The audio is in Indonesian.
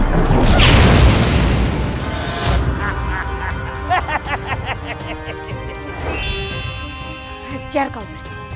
hejar kau berkisah